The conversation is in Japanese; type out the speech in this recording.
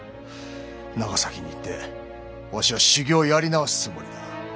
長崎に行ってわしは修業をやり直すつもりだ。